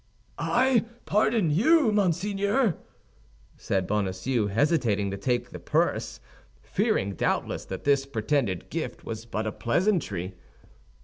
"I pardon you, monseigneur!" said Bonacieux, hesitating to take the purse, fearing, doubtless, that this pretended gift was but a pleasantry.